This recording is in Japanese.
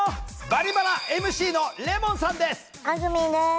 「バリバラ」ＭＣのレモンさんです。